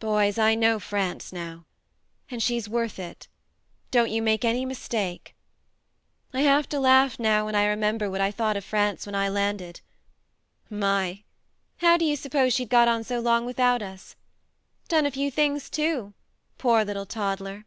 "Boys I know France now and she's worth it! Don't you make any mistake !" I have to laugh now when I THE MARNE 105 remember what I thought of France when I landed. My ! How d'you suppose she'd got on so long without us? Done a few things too poor little toddler